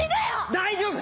大丈夫！